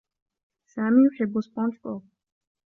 سامي يحبّ سبونجبوب.